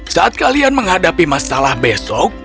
saat kalian menghadapi masalah besok